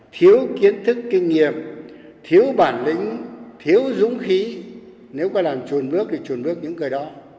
thiếu kiến thức kinh nghiệm thiếu bản lĩnh thiếu dũng khí nếu có làm chuồn bước thì chuồn bước những người đó